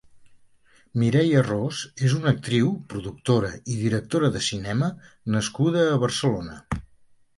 Mireia Ros és una actriu, productora i directora de cinema nascuda a Barcelona.